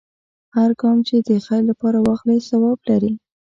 هر ګام چې د خیر لپاره واخلې، ثواب لري.